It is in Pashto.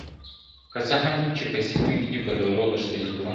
که څه هم چي په سینو کي به لرو غښتلي زړونه `